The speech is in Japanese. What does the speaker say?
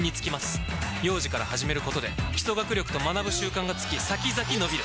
幼児から始めることで基礎学力と学ぶ習慣がつき先々のびる！